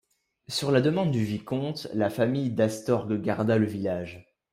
Sur la demande du vicomte, la famille d'Astorg garda le village.